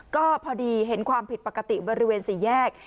ก็พอดีเห็นความผิดปกติบริเวณสี่แยก